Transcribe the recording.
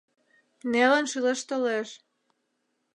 Нелын шӱлештылеш.